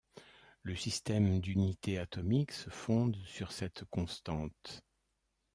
Le système d'unité atomique se fonde sur cette constante.